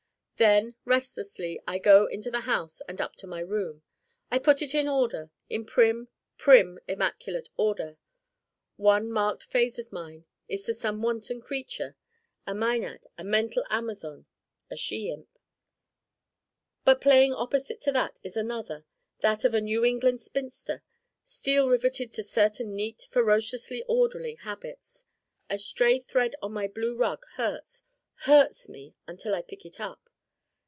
Then restlessly I go into the house and up to my room. I put it in order in prim, prim immaculate order. One marked phase of mine is of some wanton creature a mænad, a mental Amazon, a she imp. But playing opposite to that is another that of a New England spinster steel riveted to certain neat ferociously orderly habits. A stray thread on my blue rug hurts, hurts me until I pick it up.